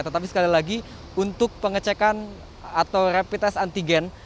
tetapi sekali lagi untuk pengecekan atau rapid test antigen